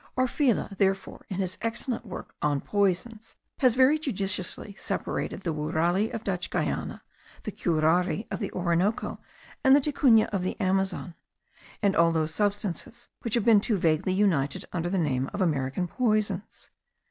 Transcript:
Orfila, therefore, in his excellent work On Poisons, has very judiciously separated the wourali of Dutch Guiana, the curare of the Orinoco, the ticuna of the Amazon, and all those substances which have been too vaguely united under the name of American poisons.